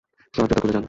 Sir, জুতা খুলে যান।